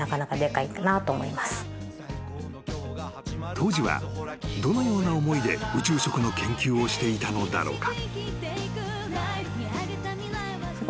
［当時はどのような思いで宇宙食の研究をしていたのだろうか？］